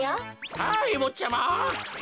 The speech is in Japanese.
はいぼっちゃま。